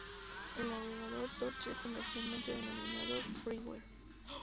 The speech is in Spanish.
El navegador Torch es comercialmente denominado Freeware.